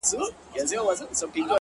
غوږ سه راته!!